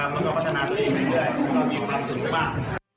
แล้วก็พัฒนาด้วยกันไปเรื่อยเราก็มีความสุขสบ้าง